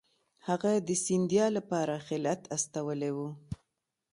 هغه د سیندیا لپاره خلعت استولی وو.